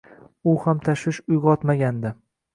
U ham tashvish uyg’otmagandi.